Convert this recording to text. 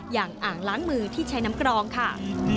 อย่างอ่างล้างมือที่ใช้น้ำกรองค่ะ